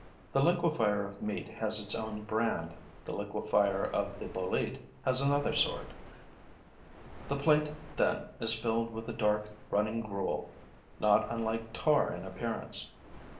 The liquefier of meat has its own brand; the liquefier of the bolete has another sort. The plate, then, is filled with a dark, running gruel, not unlike tar in appearance.